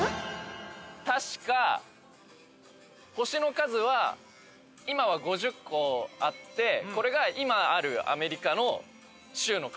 確か星の数は今は５０個あってこれが今あるアメリカの州の数。